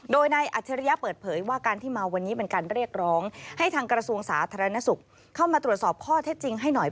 โดยนายอัจฉริยะเปิดเผยว่าการที่มาวันนี้เป็นการเรียกร้องให้ทางกระทรวงสาธารณสุขเข้ามาตรวจสอบข้อเท็จจริงให้หน่อย